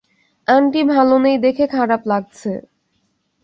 Aunty ভালো নেই দেখে খারাপ লাগছে।